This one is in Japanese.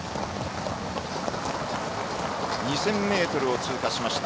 ２０００ｍを通過しました。